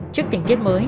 trước tình kiến mới